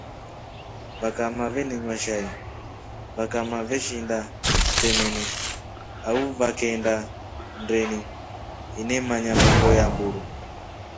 Vakamaa venenywa shai vakamaa veshinda matremeni au vakendaa mnendeni inemanya mando ya mburu.